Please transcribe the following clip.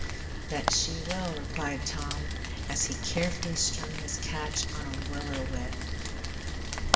"Bet she will," replied Tom, as he carefully strung his catch on a willow withe.